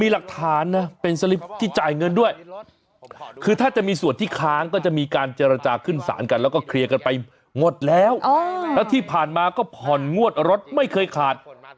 แล้วก็เคลียร์กันไปหมดแล้วแล้วที่ผ่านมาก็ผ่อนงวดรถไม่เคยขาด